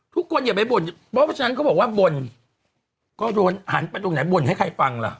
อย่าไปบ่นเพราะฉะนั้นเขาบอกว่าบ่นก็โดนหันไปตรงไหนบ่นให้ใครฟังล่ะ